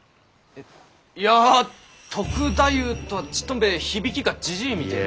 いやぁ篤太夫とはちっとんべ響きがジジイみてぇで。